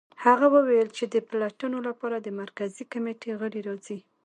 هغه وویل چې د پلټنو لپاره د مرکزي کمېټې غړي راځي